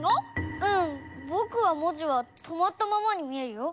うん！ぼくは文字はとまったままに見えるよ。